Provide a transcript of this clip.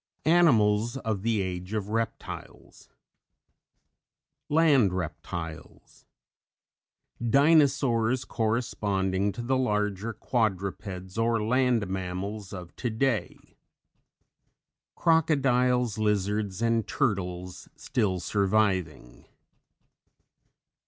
ANIMALS OF THE AGE OF REPTILES. LAND REPTILES. DINOSAURS corresponding to the larger quadrupeds or land mammals of today. CROCODILES, LIZARDS AND TURTLES still surviving.